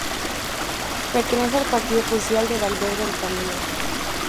Pertenece al partido judicial de Valverde del Camino.